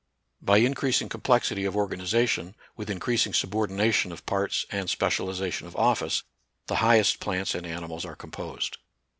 By increasing complexity of or ganization, with increasing subordination of parts and specialization of office, the highest plants and animals are composed.